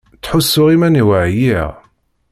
Ttḥussuɣ iman-iw ɛyiɣ.